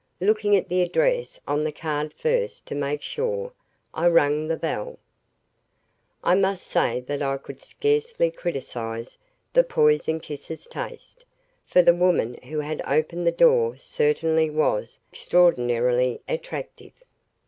Looking at the address on the card first to make sure, I rang the bell. I must say that I could scarcely criticize the poisoned kisser's taste, for the woman who had opened the door certainly was extraordinarily attractive.